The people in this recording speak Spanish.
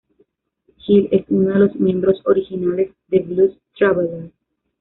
Hill es uno de los miembros originales de Blues Traveler.